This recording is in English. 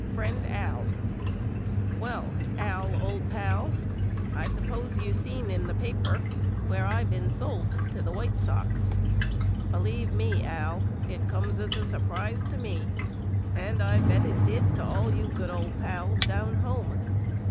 FRIEND AL: Well, Al old pal I suppose you seen in 'he paper where I been sold to the White Sox. Jbklieve me Al it comes as a sur prise to me and I bet it did to all you good old pals down home.